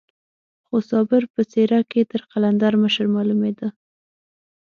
خو صابر په څېره کې تر قلندر مشر معلومېده.